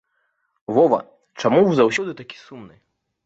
Вова, чаму вы заўсёды такі сумны?